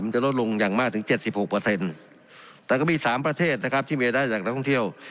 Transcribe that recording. จะลดลงอย่างมากถึง๗๖แต่ก็มี๓ประเทศนะครับที่มีรายได้จากนักท่องเที่ยว